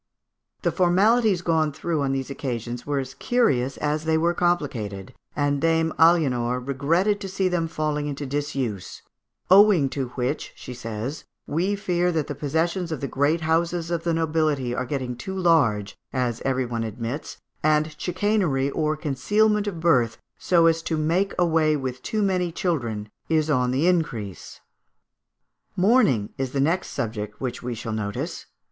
The formalities gone through on these occasions were as curious as they were complicated; and Dame Aliénor regretted to see them falling into disuse, "owing to which," she says, "we fear that the possessions of the great houses of the nobility are getting too large, as every one admits, and chicanery or concealment of birth, so as to make away with too many children, is on the increase." Mourning is the next subject which we shall notice.